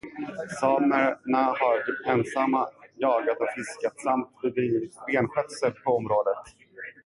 Samerna har ensamma jagat och fiskat samt bedrivit renskötsel på området.